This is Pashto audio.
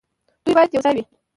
دوی باید یوځای وي.